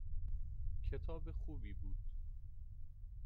کتاب خوبی بود